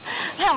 iya cocok banget